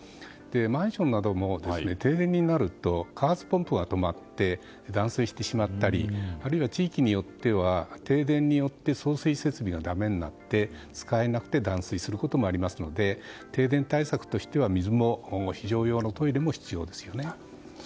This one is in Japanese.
マンションなども停電になると加圧ポンプが止まって断水してしまったりあるいは地域によっては停電によって送水設備がだめになって使えなくなって断水することもありますので停電対策としては水も今後非常用のトイレも必要ですね。